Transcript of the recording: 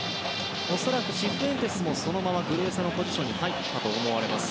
恐らくシフエンテスもそのままグルエソのポジションに入ったと思います。